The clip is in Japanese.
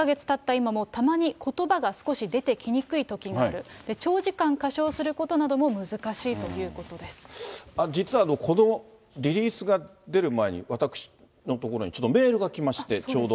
今も、たまにことばが少し出てきにくいことがある、長時間歌唱すること実はこのリリースが出る前に、私のところにちょっとメールが来まして、ちょうど。